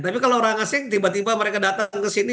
tapi kalau orang asing tiba tiba mereka datang ke sini